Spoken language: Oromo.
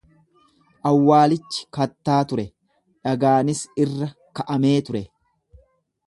Awwaalichi kattaa ture, dhagaanis irra ka'amee ture.